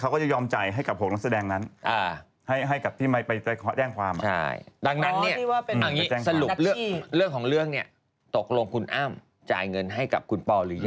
เขาก็จะยอมจ่ายให้กับหกนักแสดงนั้น